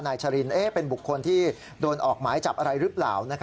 ชรินเป็นบุคคลที่โดนออกหมายจับอะไรหรือเปล่า